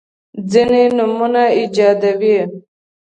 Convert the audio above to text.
ځیني نومونه ایجادوي.